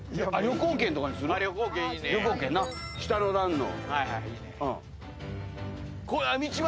旅行券な下の段の。